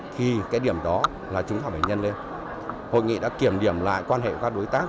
thì cái điểm đó là chúng ta phải nhân lên hội nghị đã kiểm điểm lại quan hệ các đối tác